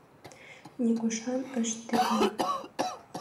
Нигушан ыш тӱкнӧ.